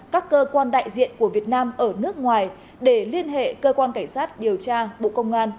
các cơ quan đại diện của việt nam ở nước ngoài để liên hệ cơ quan cảnh sát điều tra bộ công an